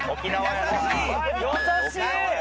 優しい。